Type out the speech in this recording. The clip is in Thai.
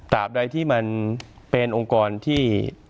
ใดที่มันเป็นองค์กรที่